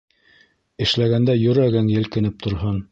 Эшләгәндә йөрәгең елкенеп торһон.